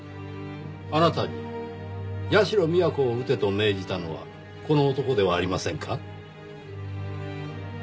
あなたに社美彌子を撃てと命じたのはこの男ではありませんか？